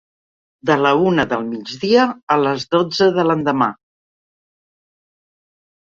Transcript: De la una del migdia a les dotze de l'endemà.